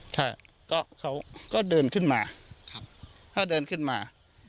ใช่ก็เขาก็เดินขึ้นมาถ้าเดินขึ้นมา